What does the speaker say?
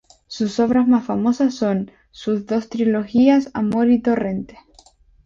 Sus obras más famosas son sus dos trilogías "Amor" y "Torrente".